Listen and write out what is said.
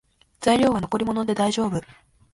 材料は残り物でだいじょうぶ